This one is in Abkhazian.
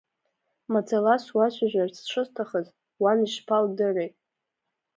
Маӡала суацәажәарц шысҭахыз уан ишԥалдыри…